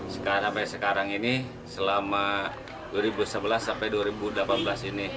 sekarang sampai sekarang ini selama dua ribu sebelas sampai dua ribu delapan belas ini